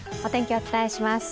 お伝えします。